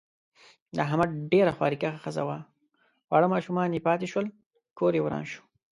د احمد ډېره خواریکښه ښځه وه، واړه ماشومان یې پاتې شول. کوریې وران شو.